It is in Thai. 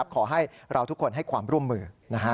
ขอให้เราทุกคนให้ความร่วมมือ